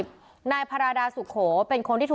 สวัสดี